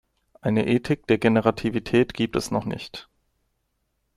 Eine Ethik der Generativität gibt es noch nicht.